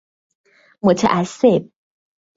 متعصب